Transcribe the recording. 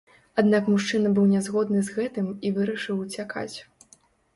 Аднак мужчына быў нязгодны з гэтым і вырашыў уцякаць.